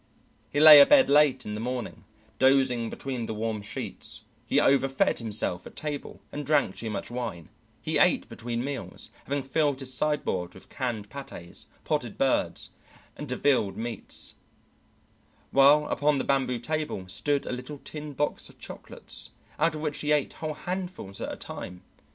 He lay abed late in the morning, dozing between the warm sheets; he overfed himself at table, and drank too much wine; he ate between meals, having filled his sideboard with canned patés, potted birds, and devilled meats; while upon the bamboo table stood a tin box of chocolates out of which he ate whole handfuls at a time.